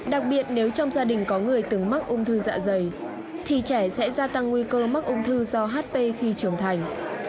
đặc biệt nếu trong gia đình có người từng mắc ung thư dạ dày thì trẻ sẽ gia tăng nguy cơ mắc ung thư do hp khi trưởng thành